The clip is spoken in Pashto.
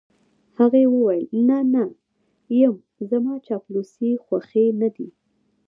هغې وویل: نه، نه یم، زما چاپلوسۍ خوښې نه دي.